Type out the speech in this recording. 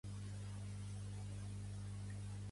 Pertany al moviment independentista la Bernarda?